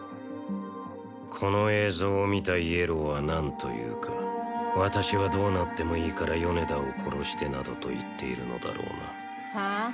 この映像を見たイエローは何と言うか私はどうなってもいいから米田を殺してなどと言っているのだろうなはあ？